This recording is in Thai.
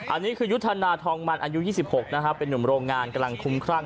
อันนี้คือยุทธนาทองมันอายุ๒๖นะครับเป็นนุ่มโรงงานกำลังคุ้มครั่ง